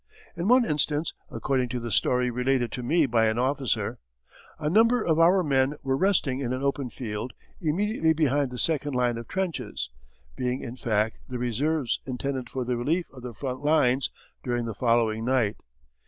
In one instance, according to the story related to me by an officer, "a number of our men were resting in an open field immediately behind the second line of trenches, being in fact the reserves intended for the relief of the front lines during the following night.